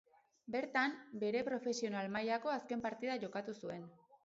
Bertan, bere profesional mailako azken partida jokatu zuen.